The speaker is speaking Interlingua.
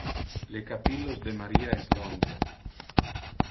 Le capillos de Maria es longe.